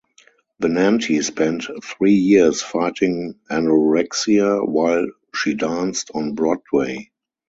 Benanti spent three years fighting anorexia while she danced on Broadway.